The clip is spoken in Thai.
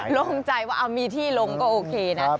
ลงใจว่ามีที่ลงก็โอเคนะ